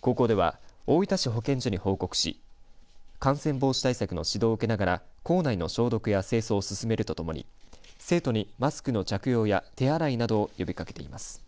高校では、大分市保健所に報告し感染防止対策の指導を受けながら校内の消毒や清掃を進めるとともに生徒にマスクの着用や手洗いなどを呼びかけています。